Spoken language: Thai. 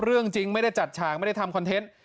เรื่องจริงไม่ได้จัดฉากไม่ได้ทำคอนเทนต์